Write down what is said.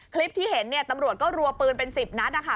คลิปที่เห็นเนี่ยตำรวจก็รัวปืนเป็น๑๐นัดนะคะ